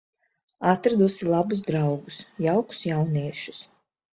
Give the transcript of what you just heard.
Atradusi labus draugus, jaukus jauniešus.